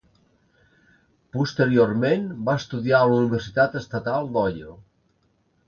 Posteriorment, va estudiar a la Universitat Estatal d'Ohio.